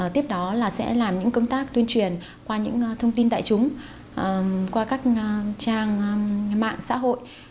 tiếp đó là sẽ làm những công tác tuyên truyền qua những thông tin đại chúng qua các trang mạng xã hội